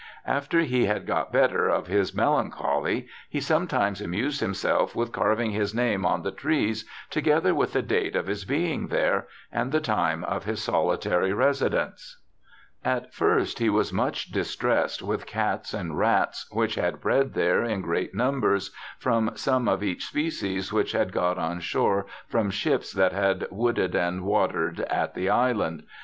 * After he had got better of his melancholy he some times amused himself with carving his name on the trees, together with the date of his being there, and the time of his solitary residence, * At first he was much distressed with cats and rats, which had bred there in great numbers from some of each species which had got on shore from ships that had wooded and watered at the island.